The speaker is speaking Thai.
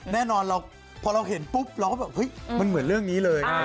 แน่นอนพอเราเห็นปุ๊บเราก็แบบเฮ้ยมันเหมือนเรื่องนี้เลย